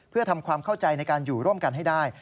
เพื่อทำความเข้าใจในการอยู่ร่วมกันให้ได้